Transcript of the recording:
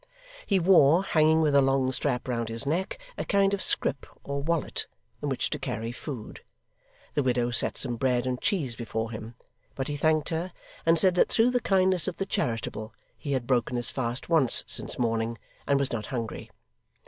He wore, hanging with a long strap round his neck, a kind of scrip or wallet, in which to carry food. The widow set some bread and cheese before him, but he thanked her, and said that through the kindness of the charitable he had broken his fast once since morning, and was not hungry.